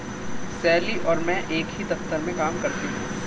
सैली और मैं एक ही दफ़्तर में काम करते हैं।